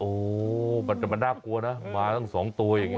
โอ้โหมันน่ากลัวนะมาตั้ง๒ตัวอย่างนี้